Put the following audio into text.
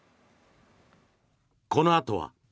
このあとは。